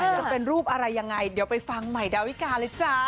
จะเป็นรูปอะไรยังไงเดี๋ยวไปฟังใหม่ดาวิกาเลยจ้า